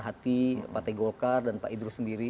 hati pak t golkar dan pak idrus sendiri